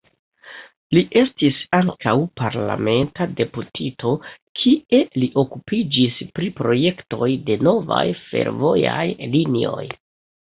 Li estis ankaŭ parlamenta deputito, kie li okupiĝis pri projektoj de novaj fervojaj linioj.